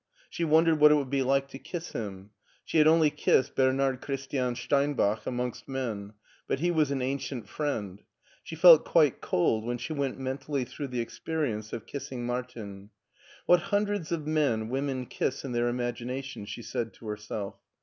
She wondered what it would be like to kiss him ; she had only kissed Bernard Christian Steinbach amongst men, but he was an ancient friend. She felt quite cold when she went mentally through the experi ence of kissing Martin. "What hundreds of men women kiss in their imagination,'' she said to herself.